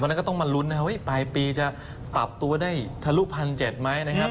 วันนั้นก็ต้องมาลุ้นว่าปลายปีจะปรับตัวได้ทะลุพันเจ็ดไหม